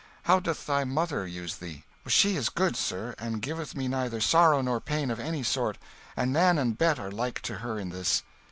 How doth thy mother use thee?" "She is good, sir, and giveth me neither sorrow nor pain of any sort. And Nan and Bet are like to her in this."